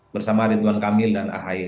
bersama ridwan kamil dan ahy